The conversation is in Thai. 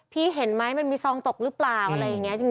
พี่เห็นไหมมันมีซองตกหรือเปล่าอะไรอย่างนี้